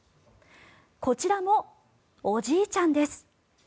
こちらも、おじいちゃんです。